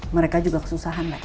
mereka juga kesusahan lex